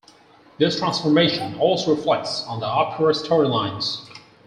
This transformation also reflects on the opera storylines.